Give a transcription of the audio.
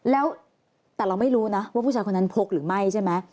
แล้วแต่เราไม่รู้นะว่าผู้ชายคนนั้นพกหรือไม่ใช่ไหม